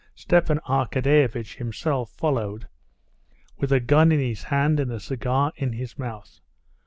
Stepan Arkadyevitch himself followed with a gun in his hand and a cigar in his mouth.